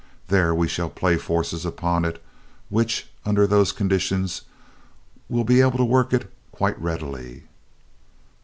There we shall play forces upon it which, under those conditions, will be able to work it quite readily."